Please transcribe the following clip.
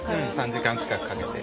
３時間近くかけて。